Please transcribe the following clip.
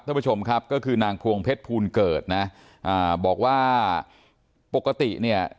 ท่านผู้ชมครับก็คือนางพวงเพชรภูลเกิดนะอ่าบอกว่าปกติเนี่ย